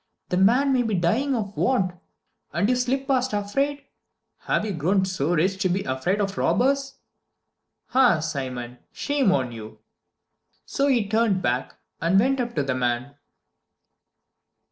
"The man may be dying of want, and you slip past afraid. Have you grown so rich as to be afraid of robbers? Ah, Simon, shame on you!" So he turned back and went up to the man.